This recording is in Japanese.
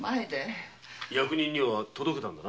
役人には届けたんだな。